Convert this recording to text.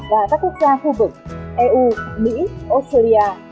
và các quốc gia khu vực eu mỹ australia nhật bản hàn quốc